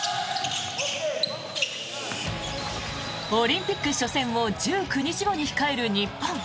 オリンピック初戦を１９日後に控える日本。